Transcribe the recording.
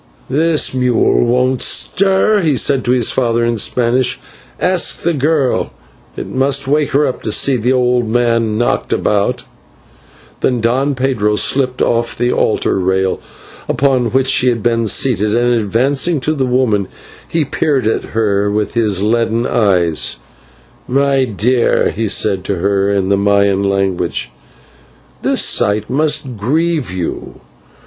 "This mule won't stir," he said to his father in Spanish; "ask the girl, it must wake her up to see the old man knocked about." Then Don Pedro slipped off the altar rail upon which he had been seated, and, advancing to the woman, he peered at her with his leaden eyes: "My dear," he said to her in the Maya language, "this sight must grieve you.